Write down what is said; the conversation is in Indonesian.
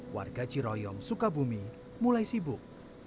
warga ciroyom suka bumi mulai sibuk